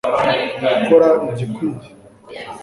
gukora igikwiye